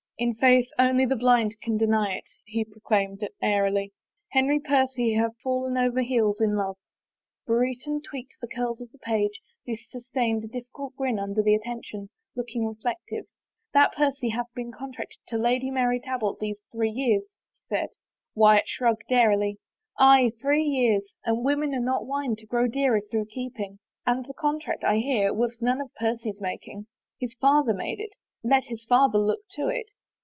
" In faith only the blind can deny it," he proclaimed airily. " Henry Percy hath fallen over heels in love." Brereton, tweaking the curls of the page, who sus tained a difficult grin tmder the attention, looked re flective. " That Percy hath been contracted to marry Lady Mary Talbot these three years," he said. Wyatt shrugged airily. " Aye, three years, and women are not wine to grow dearer through keeping. And the contract, I hear, was none of Percy's making. His father made it — let his father look to it."